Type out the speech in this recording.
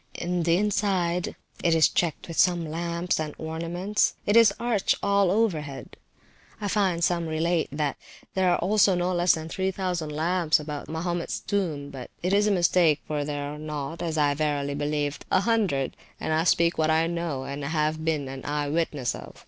In the inside it is decked with some lamps, and ornaments. It is arched all over head. (I find some relate, that there are no less than 3000 lamps about Mahomets tomb; but it is a mistake, for there are not, as I verily believe, an hundred; and I speak what I know, and have been an eye witness of).